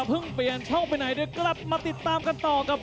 เพิ่งเปลี่ยนช่องไปไหนเดี๋ยวกลับมาติดตามกันต่อกับ